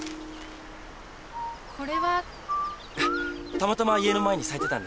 たまたま家の前に咲いてたんで。